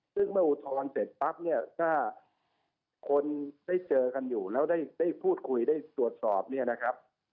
ซึ่งเมื่ออุทธรณ์เสร็จปั๊บถ้าคนได้เจอกันอยู่แล้วได้พูดคุยได้ตรวจสอบ